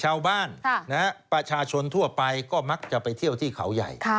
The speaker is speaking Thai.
ชาวบ้านประชาชนทั่วไปก็มักจะไปเที่ยวที่เขาใหญ่